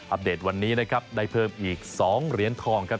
เดตวันนี้นะครับได้เพิ่มอีก๒เหรียญทองครับ